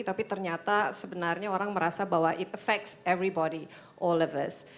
tapi ternyata sebenarnya orang merasa bahwa it affects everybody all of us